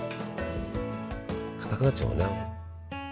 かたくなっちゃうもんね。